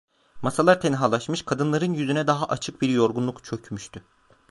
Masalar tenhalaşmış, kadınların yüzüne daha açık bir yorgunluk çökmüştü.